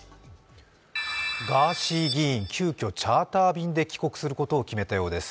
ガーシー議員、急きょチャーター便で帰国することを決めたようです。